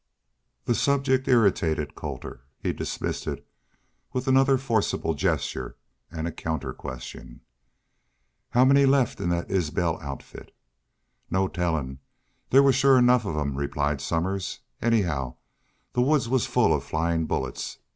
The subject irritated Colter, and he dismissed it with another forcible gesture and a counter question. "How many left in that Isbel outfit?" "No tellin'. There shore was enough of them," replied Somers. "Anyhow, the woods was full of flyin' bullets....